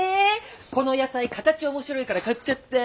この野菜形面白いから買っちゃった。